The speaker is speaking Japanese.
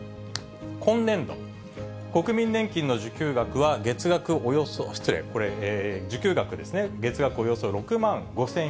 今年度、国民年金の受給額は、月額およそ、失礼、これ、受給額ですね、月額およそ６万５０００円。